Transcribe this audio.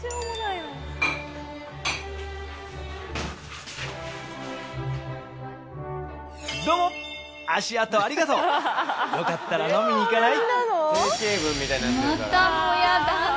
「よかったら飲みに行かない？」